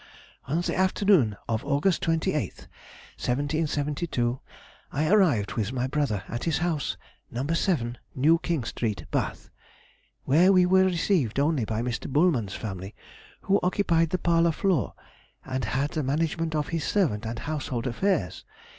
"On the afternoon of August 28th, 1772, I arrived with my brother at his house No. 7, New King Street, Bath, where we were received only by Mr. Bulman's family, who occupied the parlour floor, and had the management of his servant and household affairs.